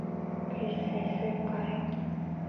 글세, 있을까요?